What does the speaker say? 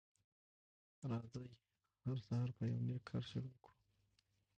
راځی هر سهار په یو نیک کار شروع کړو